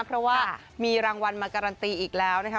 เพราะว่ามีรางวัลมาการันตีอีกแล้วนะคะ